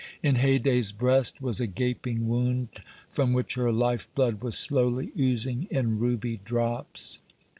In Haydée's breast was a gaping wound, from which her life blood was slowly oozing in ruby drops.